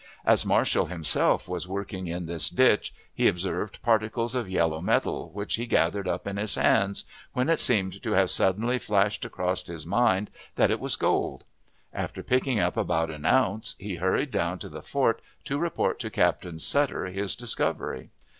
As Marshall himself was working in this ditch, he observed particles of yellow metal which he gathered up in his hand, when it seemed to have suddenly flashed across his mind that it was gold. After picking up about an ounce, he hurried down to the fort to report to Captain Sutter his discovery.